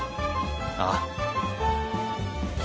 ああ。